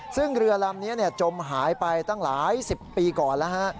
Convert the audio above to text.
ซึ่งเรือลำนี้จมหายไปตั้งหลายสิบปีก่อนแล้วฮะ